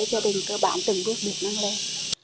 các gia đình cơ bản từng góp biệt năng lên